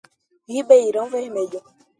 Ribeirão Vermelho